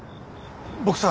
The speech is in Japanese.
僕さ